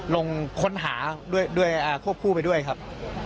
ลงค้นหาด้วยครับ